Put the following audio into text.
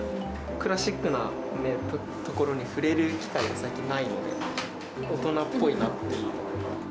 クラシックなところに触れる機会が最近ないので、大人っぽいなっていう。